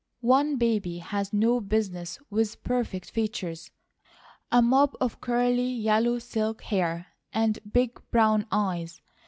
One baby has no business with perfect features, a mop of curly, yellow silk hair, and big brown eyes.